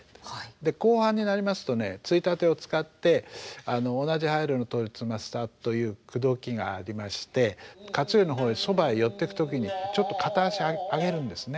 で後半になりますとねついたてを使って「同じ羽色の鳥翼」というクドキがありまして勝頼の方へそばへ寄っていく時にちょっと片足上げるんですね。